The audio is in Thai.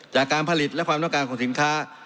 จากการผลิตและความต้องการของสินค้า